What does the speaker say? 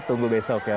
tunggu besok ya